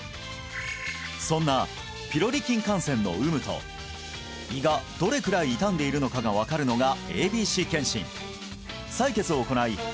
そんなピロリ菌感染の有無と胃がどれくらい痛んでいるのかが分かるのがＡＢＣ検診採血を行い